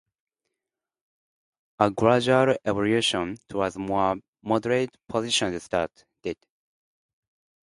A gradual evolution towards more moderate positions started.